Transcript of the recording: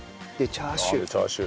チャーシュー。